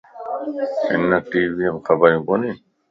ھن ٽي ويئم خبريون ڪونين.